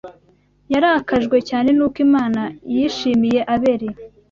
Yarakajwe cyane n’uko Imana yishimiye Abeli